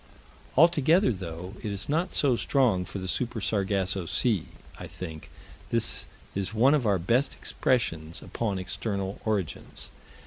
Altogether, though it is not so strong for the Super Sargasso Sea, I think this is one of our best expressions upon external origins.